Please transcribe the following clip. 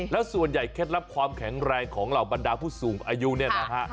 แล้วส่วนใหญ่เคล็ดลับความแข็งแรงของเหล่าบรรดาผู้สูงอายุเนี่ยนะฮะ